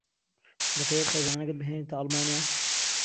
دەتەوێت خێزانەکەت بهێنیتە ئەڵمانیا؟